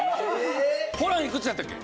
ホランいくつやったっけ？